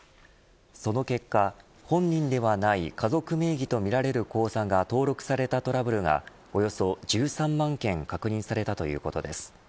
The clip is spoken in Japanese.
その結果、本人ではない家族名義とみられる口座が登録されたトラブルがおよそ１３万件確認されたということです。